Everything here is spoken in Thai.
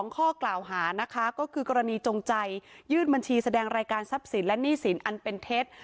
ข้อกล่าวหานะคะก็คือกรณีจงใจยื่นบัญชีแสดงรายการทรัพย์สินและหนี้สินอันเป็นเท็จ